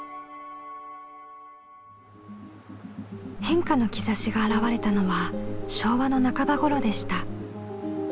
変化の兆しが表れたのは昭和の半ば頃でした。